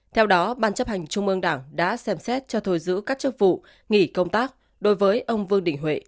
theo đó ban chấp hành trung ương đảng đã xem xét cho thôi giữ các chức vụ nghỉ công tác đối với ông vương đình huệ